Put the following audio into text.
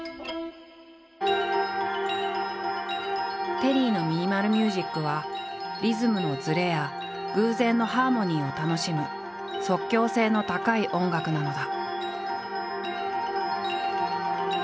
テリーのミニマル・ミュージックはリズムのずれや偶然のハーモニーを楽しむ即興性の高い音楽なのだ。